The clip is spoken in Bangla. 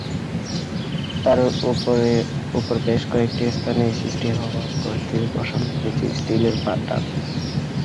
তার ওপর বেশ কয়েকটি স্থানে সৃষ্টি হওয়া গর্তে বসানো হয়েছে স্টিলের পাটাতন।